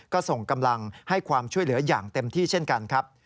ก็ส่งกำลังให้ความช่วยเหลืออย่างเต็มที่เช่นกันครับ